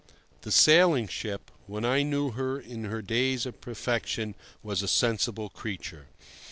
The sailing ship, when I knew her in her days of perfection, was a sensible creature.